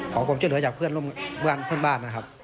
ขอความช่วยเหลือจากเพื่อนบ้านนะครับ